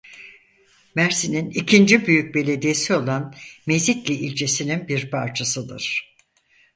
Mersin'in ikinci büyük belediyesi olan Mezitli ilçesinin bir parçasıdır.